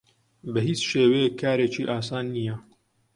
بە هیچ شێوەیەک کارێکی ئاسان نییە.